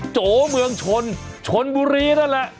โจเมืองชนชนบุรีนั่นแหละ